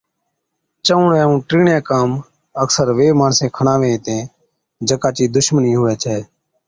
چَڻُوڻَي ائُون ٽِيڻي ڪام اڪثر وي ماڻسين کڻاوي هِتين جڪا چِي دُشمنِي هُوَي ڇَي